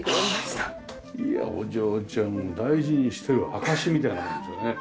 いやお嬢ちゃん大事にしてる証しみたいなものですよね。